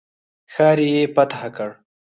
ښار یې فتح کړ.